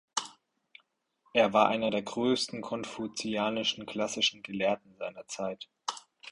Er war einer der größten konfuzianischen klassischen Gelehrten seiner Zeit.